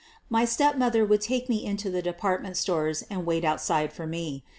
My stepmother would take me into the department stores and wait outside for me.